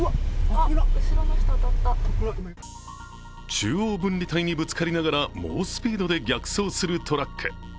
中央分離帯にぶつかりながら猛スピードで逆走するトラック。